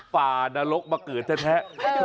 ป่านรกมาเกิดแท้